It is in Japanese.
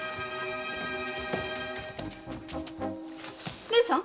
義姉さん？